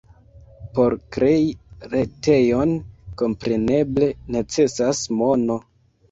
Por krei retejon, kompreneble, necesas mono.